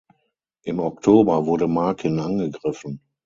Im Oktober wurde Makin angegriffen.